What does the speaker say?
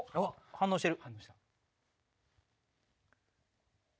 反応してる。